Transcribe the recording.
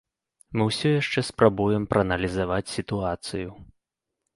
Мы ўсё яшчэ спрабуем прааналізаваць сітуацыю.